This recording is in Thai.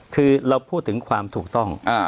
คือเราพูดถึงความถูกต้อง